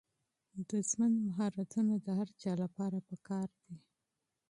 د ژوند مهارتونه د هر چا لپاره پکار دي.